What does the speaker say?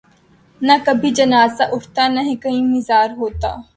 نہ کبھی جنازہ اٹھتا نہ کہیں مزار ہوتا